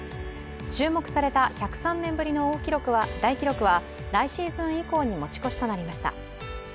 注目された１０３年ぶりの大記録は、来シーズン以降に持ち越しとなりました。